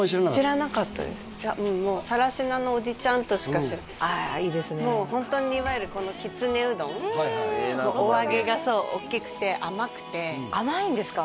知らなかったですいやうんもう更科のおじちゃんとしかもうホントにいわゆるこのきつねうどんのお揚げがそうおっきくて甘くて甘いんですか？